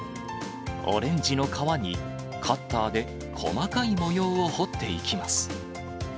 オレンジの皮に、カッターで細かい模様を彫っていきます。